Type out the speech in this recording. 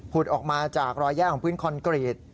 ออกมาจากรอยแยกของพื้นคอนกรีต